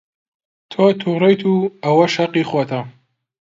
تۆ تووڕەیت و ئەوەش هەقی خۆتە.